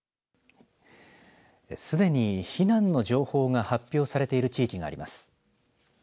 すでに避難の情報が発表されている地域があります。